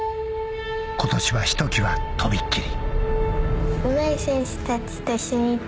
今年はひときわ、とびっきり。